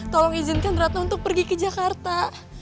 tolong izinkan ratna untuk pergi ke jakarta